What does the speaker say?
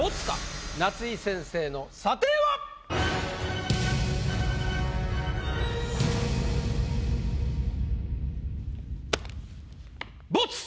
夏井先生の査定は⁉ボツ！